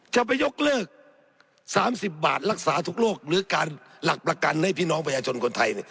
จะไปยกเลิก๓๐บาทรักษาทุกโรคหรือการหลักประกันให้พี่น้องประชาชนคนไทย